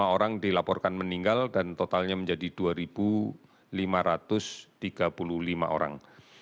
lima orang dilaporkan meninggal dan totalnya menjadi dua lima ratus tiga puluh lima orang